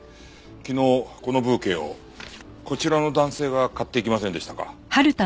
昨日このブーケをこちらの男性が買っていきませんでしたか？